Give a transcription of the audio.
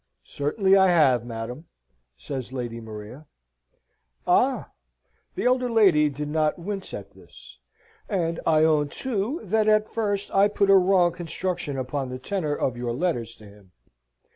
"Certainly I have, madam!" says Lady Maria. "Ah!" (the elder lady did not wince at this). "And I own, too, that at first I put a wrong construction upon the tenor of your letters to him.